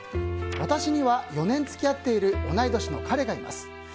私には４年付き合っている同い年の彼がいます。